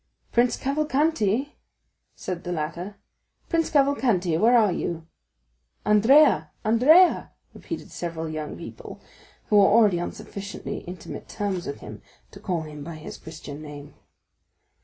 "Prince Cavalcanti," said the latter; "Prince Cavalcanti, where are you?" "Andrea, Andrea," repeated several young people, who were already on sufficiently intimate terms with him to call him by his Christian name.